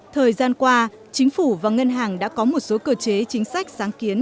thời gian qua chính phủ và ngân hàng đã có một số cơ chế chính sách sáng kiến